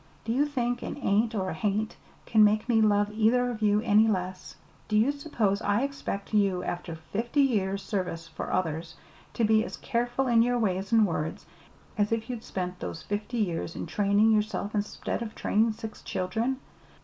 Do you think an 'ain't' or a 'hain't' can make me love either of you any less? Do you suppose I expect you, after fifty years' service for others, to be as careful in your ways and words as if you'd spent those fifty years in training yourself instead of in training six children?